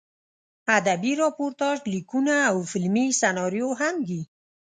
ادبي راپورتاژ لیکونه او فلمي سناریو هم دي.